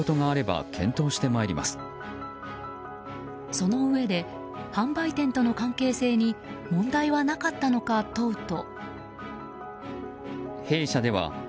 そのうえで販売店との関係性に問題はなかったのか問うと。